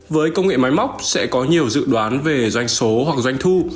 với công nghệ máy móc sẽ có nhiều dự đoán về doanh số hoặc doanh thu